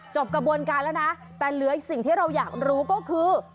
กระบวนการแล้วนะแต่เหลืออีกสิ่งที่เราอยากรู้ก็คือ